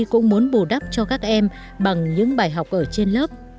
cũng muốn bù đắp cho các em bằng những bài học ở trên lớp